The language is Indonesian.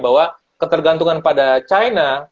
bahwa ketergantungan pada china